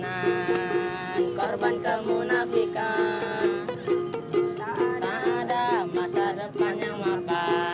untuk diperjuangkan kasih sayang